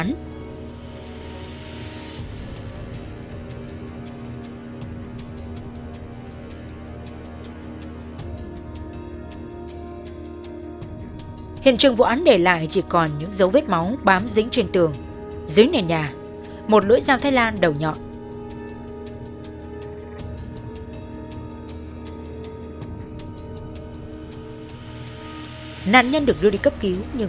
thì hai thanh niên lại tiếp tục có hành vi hăm dọa chủ quán